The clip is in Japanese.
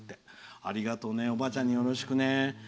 ありがとうねおばあちゃんによろしくね。